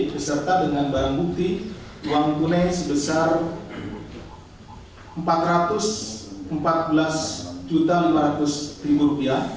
beserta dengan barang bukti uang tunai sebesar rp empat ratus empat belas lima ratus